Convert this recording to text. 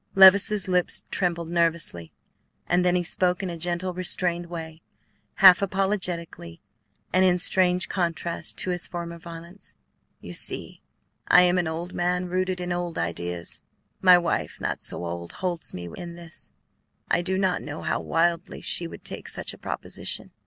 Levice's lips trembled nervously, and then he spoke in a gentle, restrained way, half apologetically and in strange contrast to his former violence. "You see, I am an old man rooted in old ideas; my wife, not so old, holds with me in this. I do not know how wildly she would take such a proposition.